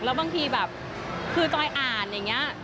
แล้วบางทีแบบคือจอยอ่านอย่างนี้